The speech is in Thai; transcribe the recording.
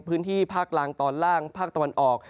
พื้นที่ภาคล่างตอนล่างภาคตะวันออก